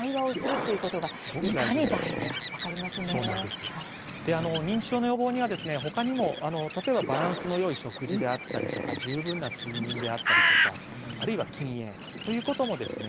であの認知症の予防にはですねほかにも例えばバランスのよい食事であったりとか十分な睡眠であったりとかあるいは禁煙ということもですね